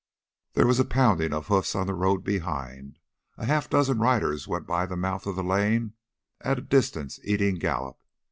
There was a pounding of hoofs on the road behind. A half dozen riders went by the mouth of the land at a distance eating gallop.